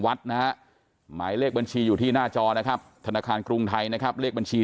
วัดนะฮะหมายเลขบัญชีอยู่ที่หน้าจอนะครับธนาคารกรุงไทยนะครับเลขบัญชี